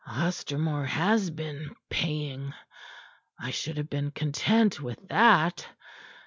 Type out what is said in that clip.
Ostermore has been paying. I should have been content with that.